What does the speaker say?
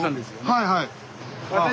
はいはい。